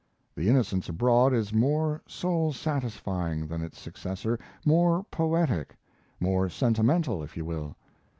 The Innocents Abroad is more soul satisfying than its successor, more poetic; more sentimental, if you will.